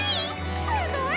すごい！